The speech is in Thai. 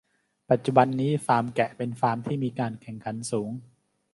ปัจจุบันนี้ฟาร์มแกะเป็นฟาร์มที่มีการแข่งขันสูง